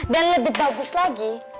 dan lebih bagus lagi